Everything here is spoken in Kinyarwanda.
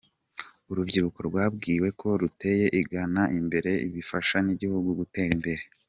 Urubyiruko rwabwiwe ko ruteye igana imbere bifasha n’igihugu gutera imbere.